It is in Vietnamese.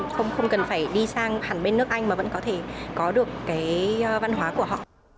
không cần phải đi sang hẳn bên nước anh mà vẫn có thể có được cái văn hóa của họ